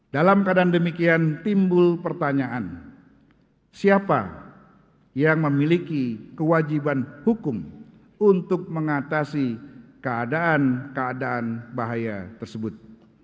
dalam keadaan demikian timbul pertanyaan siapa yang memiliki kewajiban hukum untuk mengatasi keadaan keadaan bahaya tersebut